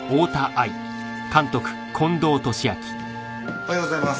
おはようございます。